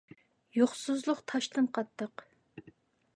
يوقسۇزلۇق تاشتىن قاتتىق.